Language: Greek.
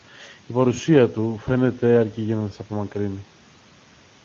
Η παρουσία του, φαίνεται, αρκεί για να τις απομακρύνει.